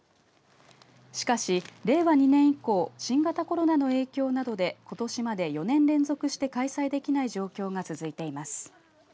しかし令和２年以降新型コロナの影響などでことしまで４年連続して開催できない状況が続いています。